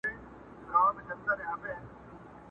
پروت لا پر ساحل ومه توپان راسره وژړل،